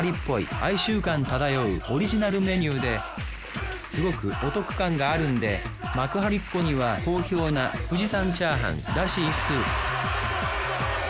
哀愁感漂うオリジナルメニューですごくお得感があるんで幕張っ子には好評な富士山チャーハンらしいっすあ